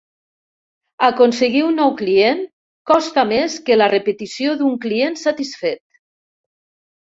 Aconseguir un nou client costa més que la repetició d'un client satisfet.